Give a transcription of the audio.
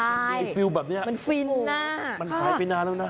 มันฟิลแบบนี้มันหายไปนานแล้วนะ